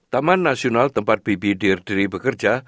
taman nasional tempat bibi dirdiri bekerja